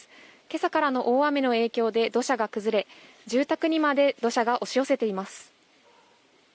今朝からの大雨の影響で土砂が崩れ住宅にまで土砂が押し寄せています。